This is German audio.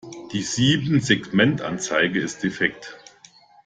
Die Siebensegmentanzeige ist defekt.